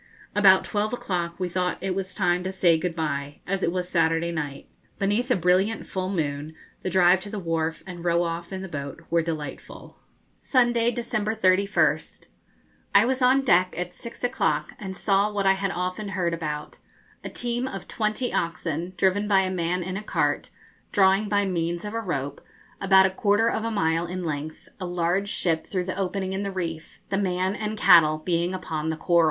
About twelve o'clock we thought it was time to say good bye, as it was Saturday night. Beneath a brilliant full moon the drive to the wharf and row off in the boat were delightful. Sunday, December 31st. I was on deck at six o'clock, and saw what I had often heard about a team of twenty oxen, driven by a man in a cart, drawing by means of a rope, about a quarter of a mile in length, a large ship through the opening in the reef, the man and cattle being upon the coral.